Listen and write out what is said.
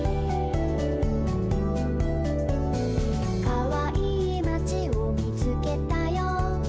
「かわいいまちをみつけたよ」